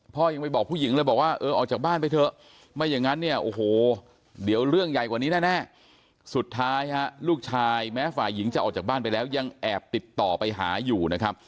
ยังไปบอกผู้หญิงเลยบอกว่าเออออกจากบ้านไปเถอะไม่อย่างนั้นเนี่ยโอ้โหเดี๋ยวเรื่องใหญ่กว่านี้แน่สุดท้ายฮะลูกชายแม้ฝ่ายหญิงจะออกจากบ้านไปแล้วยังแอบติดต่อไปหาอยู่นะครับ